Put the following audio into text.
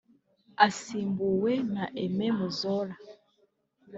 asimbuwe na Aime Muzora